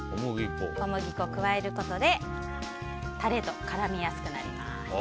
小麦粉を加えることでタレと絡みやすくなります。